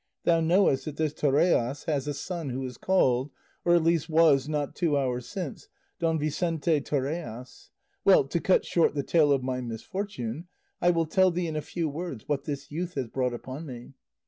Thou knowest that this Torrellas has a son who is called, or at least was not two hours since, Don Vicente Torrellas. Well, to cut short the tale of my misfortune, I will tell thee in a few words what this youth has brought upon me.